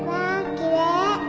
きれい！